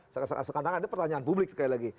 sekarang ada pertanyaan publik sekali lagi